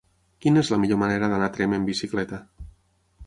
Quina és la millor manera d'anar a Tremp amb bicicleta?